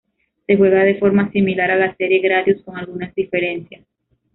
Se juega de forma similar a la serie "Gradius" con algunas diferencias.